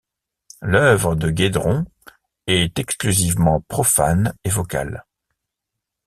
L’œuvre de Guédron est exclusivement profane et vocal.